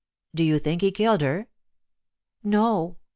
"Do you think he killed her?" "No.